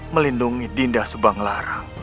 melindungi dinda subang larang